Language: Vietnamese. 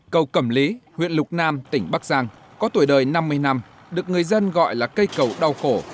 cầu cẩm lý huyện lục nam tỉnh bắc giang có tuổi đời năm mươi năm được người dân gọi là cây cầu đau khổ